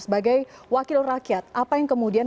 sebagai wakil rakyat apa yang kemudian